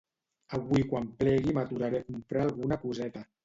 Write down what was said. Avui quan plegui m'aturaré a comprar alguna coseta